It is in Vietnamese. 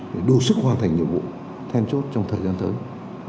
để đủ sức hoàn thành nhiệm vụ then chốt trong thời gian tới